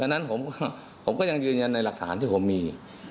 ดังนั้นผมก็ยังยืนยันในหลักฐานที่ผมมี